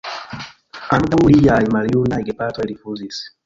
Ankaŭ liaj maljunaj gepatroj rifuzis.